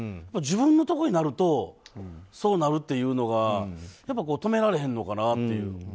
自分のところになるとそうなるっていうのが止められへんのかなっていう。